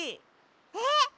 えっ！？